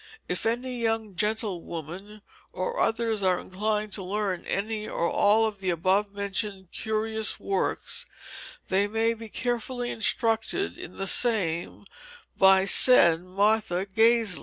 If any young Gentlewomen, or others are inclined to learn any or all of the above mentioned curious Works, they may be carefully instructed in the same by said Martha Gazley."